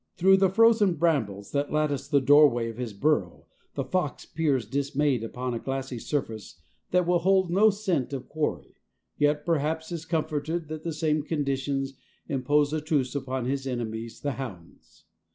Through the frozen brambles that lattice the doorway of his burrow the fox peers dismayed upon a glassy surface that will hold no scent of quarry, yet perhaps is comforted that the same conditions impose a truce upon his enemies the hounds.